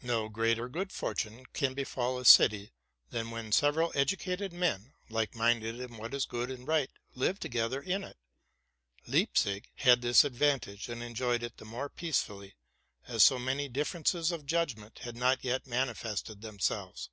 No greater good fortune can befall a city, than when sev eral educated men, like minded in what is good and right, live together in it. Leipzig had this advantage, and enjoyed it the more peacefully, as so many differences of judgment had not yet manifested themselves.